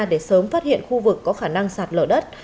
để sớm phát hiện khu vực có khả năng sạt lở đất